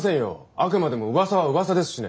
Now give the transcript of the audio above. あくまでもうわさはうわさですしね。